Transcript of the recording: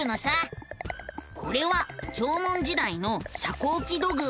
これは縄文時代の遮光器土偶。